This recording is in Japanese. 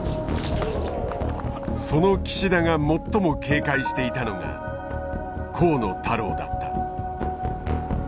その岸田が最も警戒していたのが河野太郎だった。